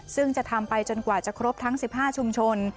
ซึ่งจะทำไปจนกว่าจะครบทั้ง๑๕ชุมชน